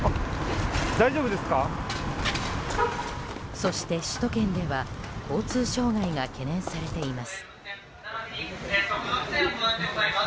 そして首都圏では交通障害が懸念されています。